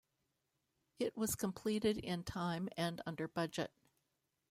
It was completed in time and under budget.